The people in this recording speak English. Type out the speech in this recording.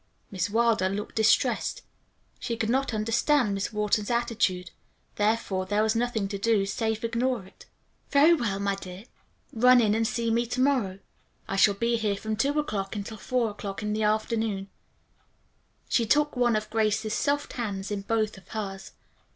Miss Wilder looked distressed. She could not understand Miss Wharton's attitude, therefore there was nothing to do save ignore it. "Very well, my dear. Run in and see me to morrow. I shall be here from two o'clock until four in the afternoon." She took one of Grace's soft hands in both of hers.